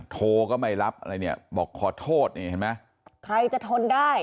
โทรก็ไม่รับอะไรเนี่ยบอกขอโทษนี่เห็นไหมใครจะทนได้